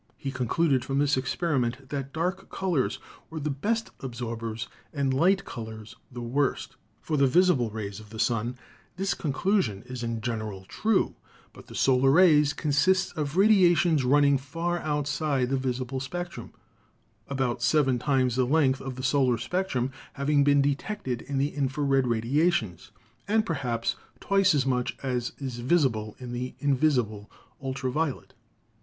He concluded from this experiment that dark colors were the best absorbers and light colors the worst. For the visible rays of the sun this conclusion is in general true, but the solar rays consists of radiations running far out side the visible spectrum, about seven times the length of the solar spectrum having been detected in the infra red radiations, and perhaps twice as much as is visible in the invisible ultra violet.